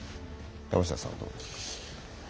山下さんはどうですか？